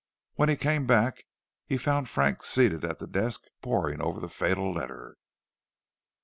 When he came back, he found Frank seated at the desk poring over the fatal letter.